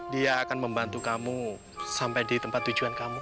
dia akan membantu kamu sampai di tempat tujuan kamu